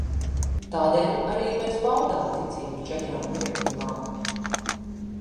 Tādēļ arī mēs paudām ticību četrām direktīvām.